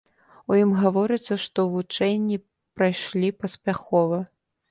У ім гаворыцца, што вучэнні прайшлі паспяхова.